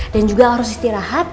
dan juga harus istirahat